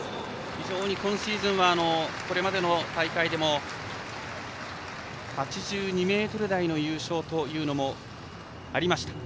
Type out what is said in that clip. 今シーズンはこれまでの大会でも８２ｍ台の優勝というのもありました。